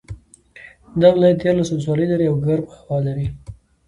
دا ولایت دیارلس ولسوالۍ لري او ګرمه هوا لري